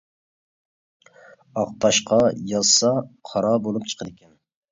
ئاق تاشقا يازسا قارا بولۇپ چىقىدىكەن.